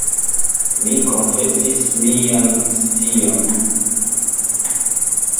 Mi konfesis mian scion.